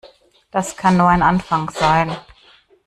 Das kann nur ein Anfang sein.